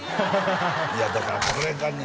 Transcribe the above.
いやだからこれがね